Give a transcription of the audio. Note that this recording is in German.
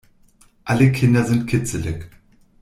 Alle Kinder sind kitzelig.